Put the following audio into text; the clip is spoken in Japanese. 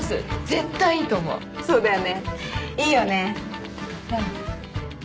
絶対いいと思うそうだよねいいよね